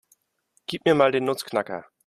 Gib mir mal den Nussknacker.